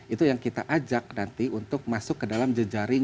itu yang kita ajak nanti untuk masuk ke dalam jejaring